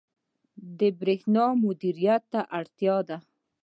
• د برېښنا مدیریت ته اړتیا ده.